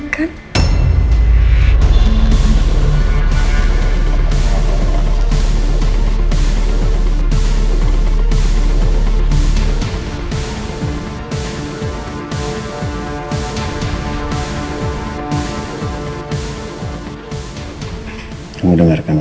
gue bakal lakukan siapa saja